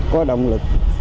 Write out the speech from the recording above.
có động lực